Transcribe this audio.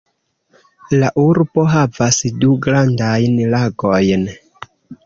La urbo havas du grandajn lagojn.